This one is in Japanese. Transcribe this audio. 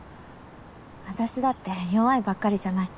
私だって弱いばっかりじゃない。